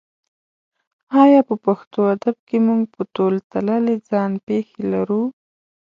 ایا په پښتو ادب کې موږ په تول تللې ځان پېښې لرو؟